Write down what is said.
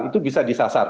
itu bisa disasar